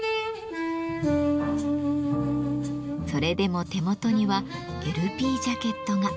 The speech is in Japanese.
それでも手元にはＬＰジャケットが。